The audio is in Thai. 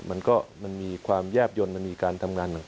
มันก็มันมีความแยบยนต์มันมีการทำงานต่าง